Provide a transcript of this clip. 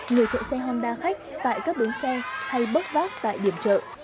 người chợ xe honda khách tại các đường xe hay bốc vác tại điểm chợ